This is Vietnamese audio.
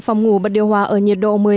phòng ngủ bật điều hòa ở nhiệt độ